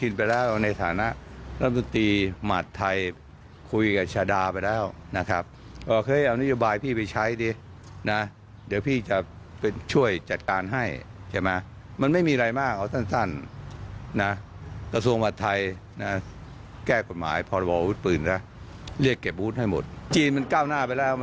นั่นเอง๑๔ก็ถือว่าเป็นผู้ใหญ่แล้วนะครับอายุ๑๘ปียังเลือกตั้งได้แล้ว